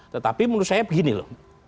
tetapi menurut saya begini loh